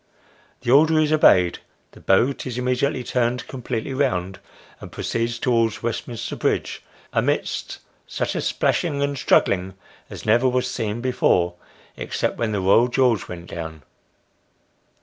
The order is obeyed ; the boat is immediately turned completely round, and proceeds towards Westminster Bridge, amidst such a splashing and struggling as never was seen before, except when the Royal George went down.